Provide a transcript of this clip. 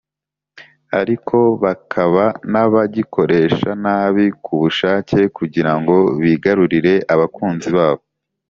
ariko bakaba n’abagikoresha nabi ku bushake kugira ngo bigarurire abakunzi babo.